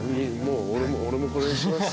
俺もこれにします。